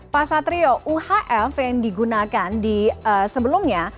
pak satrio uhf yang digunakan di sebelumnya